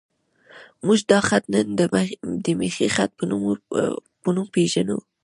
موږ دا خط نن د میخي خط په نوم پېژنو.